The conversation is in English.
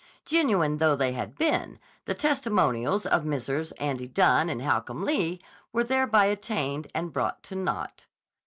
Genuine though they had been, the testimonials of Messrs. Andy Dunne and Holcomb Lee were thereby attainted and brought to naught.